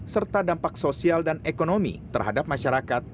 serta dampak sosial dan ekonomi terhadap masyarakat